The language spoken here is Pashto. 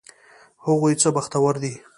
هغوی څه بختور دي!